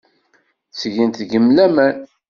Ttgent deg-m laman.